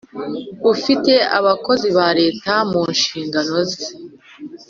ufite abakozi ba leta mu nshingano ze